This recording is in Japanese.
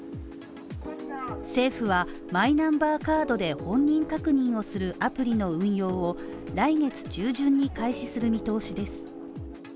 政府はマイナンバーカードで本人確認をするアプリの運用を来月中旬に開始する見通しです。